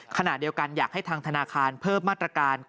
ขณะเดียวกันอยากให้ทางธนาคารเพิ่มมาตรการ